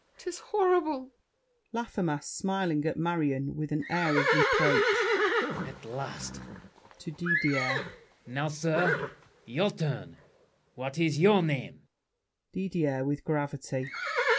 'Tis horrible! LAFFEMAS (smiling at Marion, with an air of reproach). At last! [To Didier.] Now, sir, your turn. What is your name? DIDIER (with gravity).